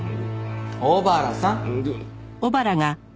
小原さん！